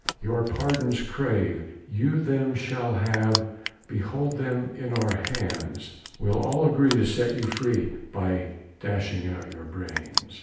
"Your pardons crave, you them shall have, Behold them in our hands; We'll all agree to set you free, By dashing out your brains.